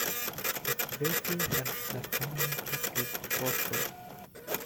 It greatly helped the community to prosper.